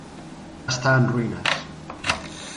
Està en ruïnes.